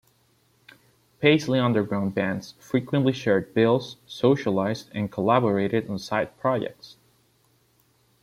Paisley Underground bands frequently shared bills, socialized, and collaborated on side projects.